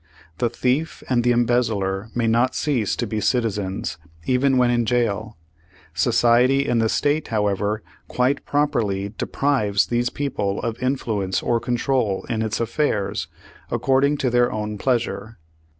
The thief and the embezzler may not cease to be citizens, even when in jail. Society and the state, how ever, quite properly deprives these people of in fluence or control in its affairs, according to their own pleasure.